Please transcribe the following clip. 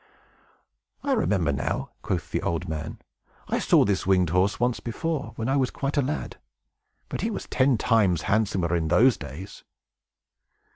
"I remember now," quoth the old man, "I saw this winged horse once before, when I was quite a lad. But he was ten times handsomer in those days."